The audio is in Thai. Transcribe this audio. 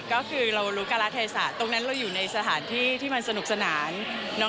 ก็คือเรารู้การะเทศะตรงนั้นเราอยู่ในสถานที่ที่มันสนุกสนาน